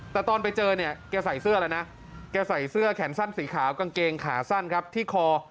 แต่ตอนไปเจอเนี่ยแกใส่เสื้อแล้วนะแกใส่เสื้อแขนสั้นสีขาวกางเกงขาสั้นครับที่คอ